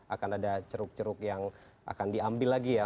akan ada ceruk ceruk yang akan diambil lagi ya